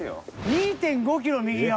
「２．５キロ右側」